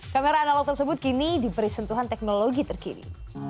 kamera analog tersebut kini diberi sentuhan teknologi terkini